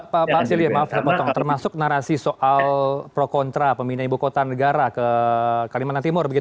pak silir maaf terpotong termasuk narasi soal pro contra pemimpin ibu kota negara ke kalimantan timur